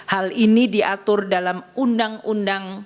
hal ini diatur dalam undang undang